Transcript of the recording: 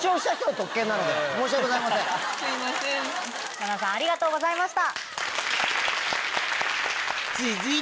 ななさんありがとうございました。